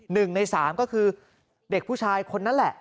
๑ใน๓ก็คือเด็กผู้ชายคนนั่นแหละ